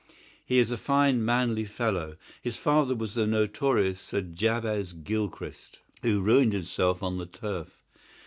He is a fine, manly fellow. His father was the notorious Sir Jabez Gilchrist, who ruined himself on the turf.